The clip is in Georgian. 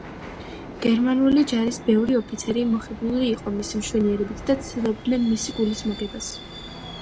გერმანული ჯარის ბევრი ოფიცერი მოხიბლული იყო მისი მშვენიერებით და ცდილობდნენ მისი გულის მოგებას.